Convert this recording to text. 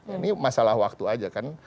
ini masalah waktu aja kan